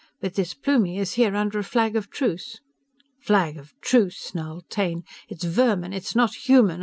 But this Plumie is here under a flag of truce " "Flag of truce!" snarled Taine. "It's vermin! It's not human!